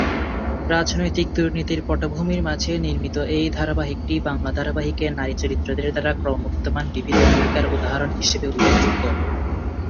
রাজনৈতিক দুর্নীতির পটভূমির মাঝে নির্মিত এই ধারাবাহিকটি বাংলা ধারাবাহিকে নারী চরিত্রদের দ্বারা ক্রমবর্ধমান বিবিধ ভূমিকার উদাহরণ হিসাবে উল্লেখযোগ্য।